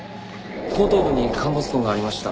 後頭部に陥没痕がありました。